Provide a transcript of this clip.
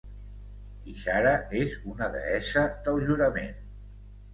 Ishara és una deessa del jurament.